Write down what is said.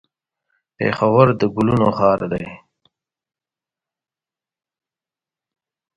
نوم به یې وانخلم.